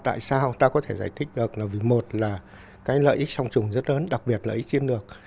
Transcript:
tại sao ta có thể giải thích được là vì một là cái lợi ích song trùng rất lớn đặc biệt lợi ích chiến lược